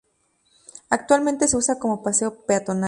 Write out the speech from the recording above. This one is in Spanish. Actualmente se usa como paseo peatonal.